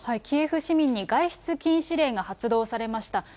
キエフ市民に外出禁止令が発動されました。